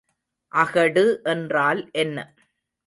அகடு என்றால் என்ன?